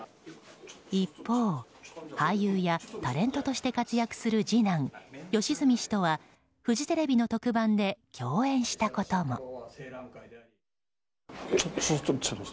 一方、俳優やタレントとして活躍する次男・良純氏とはフジテレビの特番で共演したことも。